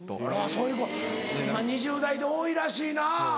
そういう子今２０代で多いらしいな。